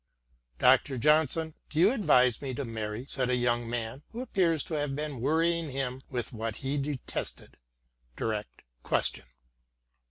" Dr. Johnson, do you advise me to marry ?" said a young man who appears to have been worrying him with what he detested — direct question.